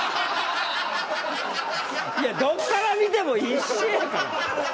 いやどっから見ても一緒やから。